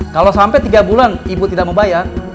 kalau sampai tiga bulan ibu tidak mau bayar